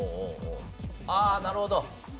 ああなるほど！